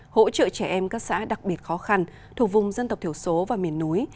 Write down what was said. hỗ trợ trẻ em các xã đặc biệt khó khăn thuộc vùng dân tộc thiểu số và miền núi